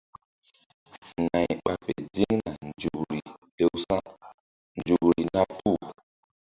Nay ɓa fe ziŋna nzukri lewsa̧nzukri na puh.